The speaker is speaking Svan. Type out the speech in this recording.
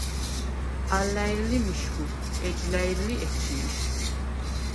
ალ ლა̈ირ ლი მიშგუ, ეჯ ლა̈ირ ლი ეჩი̄შ.